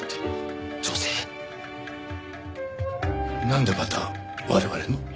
なんでまた我々の？